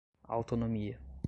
autonomia